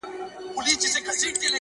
شراب نوشۍ کي مي له تا سره قرآن کړی دی ـ